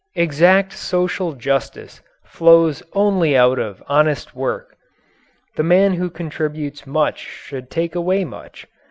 Exact social justice flows only out of honest work. The man who contributes much should take away much.